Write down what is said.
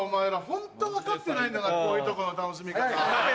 ホント分かってないんだからこういうとこの楽しみ方。